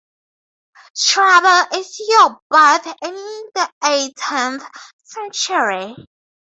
Trouble is you're both in the eighteenth century.